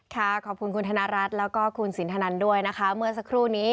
ค่ะขอบคุณคุณธนรัฐและคุณศีรฐนันด้วยเมื่อสักครู่นี้